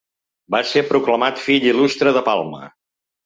Va ser proclamat fill il·lustre de Palma.